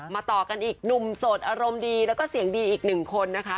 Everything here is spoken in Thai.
ต่อกันอีกหนุ่มโสดอารมณ์ดีแล้วก็เสียงดีอีกหนึ่งคนนะคะ